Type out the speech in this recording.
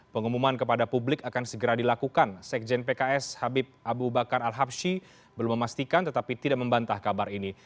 pengumuman kepada publik akan segera dilakukan sekjen pks habib abu bakar al habshi belum memastikan tetapi tidak membantah kabar ini